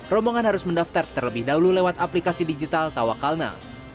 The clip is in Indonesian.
rombongan harus mendaftar terlebih dahulu lewat aplikasi digital tawakalna